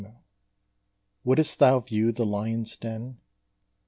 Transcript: _ Wouldst thou view the lion's den?